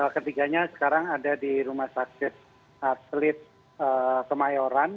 ketiganya sekarang ada di rumah sakit atlet kemayoran